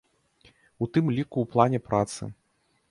У тым ліку і ў плане працы.